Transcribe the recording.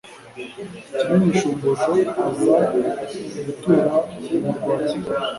Kimenyi Shumbusho, aza gutura ku murwa wa Kigali.